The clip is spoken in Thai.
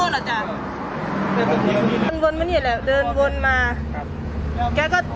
นั่งถึงนางรถที่คนข้างหน้าข้าง